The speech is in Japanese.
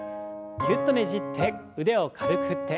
ぎゅっとねじって腕を軽く振って。